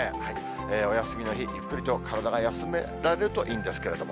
お休みの日、ゆっくりと体が休められるといいんですけれども。